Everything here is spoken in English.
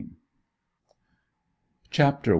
CHAPTER I.